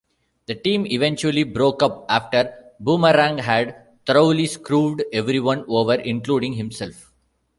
The team eventually broke up after Boomerang had thoroughly screwed everyone over, including himself.